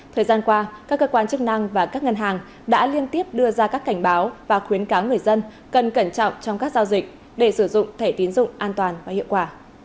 thời gian qua các cơ quan chức năng và các ngân hàng đã liên tiếp đưa ra các cảnh báo và khuyến cáo người dân cần cẩn trọng trong các giao dịch để sử dụng thẻ tiến dụng an toàn và hiệu quả